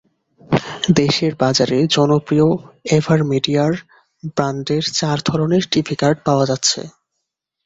দেশের বাজারে জনপ্রিয় এভারমিডিয়ার ব্র্যান্ডের চার ধরনের টিভি কার্ড পাওয়া যাচ্ছে।